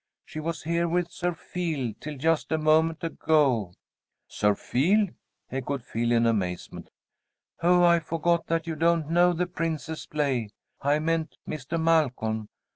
"She was here with Sir Feal till just a moment ago." "Sir Feal!" echoed Phil, in amazement. "Oh, I forgot that you don't know the Princess play. I meant Mister Malcolm.